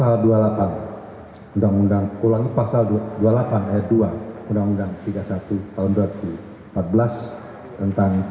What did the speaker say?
pasal dua puluh delapan undang undang ulangi pasal dua puluh delapan ayat dua undang undang tiga puluh satu tahun dua ribu empat belas tentang